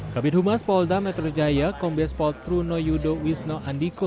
kabin humas polda metro jaya kombes pol truno yudo wisno andiko